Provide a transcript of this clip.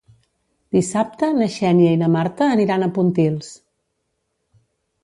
Dissabte na Xènia i na Marta aniran a Pontils.